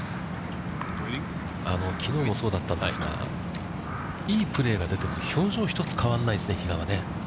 きのうもそうだったんですが、いいプレーが出ても、表情ひとつ変わらないですね、比嘉はね。